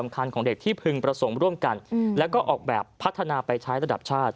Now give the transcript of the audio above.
คันของเด็กที่พึงประสงค์ร่วมกันแล้วก็ออกแบบพัฒนาไปใช้ระดับชาติ